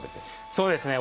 そうですね。